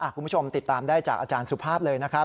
คุณผู้ชมติดตามได้จากอาจารย์สุภาพเลยนะครับ